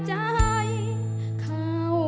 เพลงที่สองเพลงมาครับ